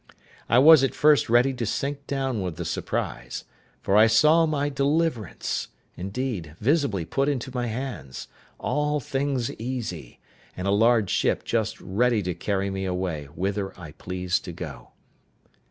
I was at first ready to sink down with the surprise; for I saw my deliverance, indeed, visibly put into my hands, all things easy, and a large ship just ready to carry me away whither I pleased to go.